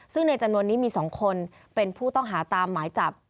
ซึ่งในจำนวนนี้มี๒คนเป็นผู้ต้องหาตามหมายจับ